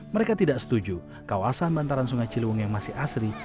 mereka tidak setuju kawasan bantaran sungai ciliwung yang masih asri